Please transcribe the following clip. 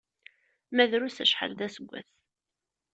Ma drus acḥal d aseggas.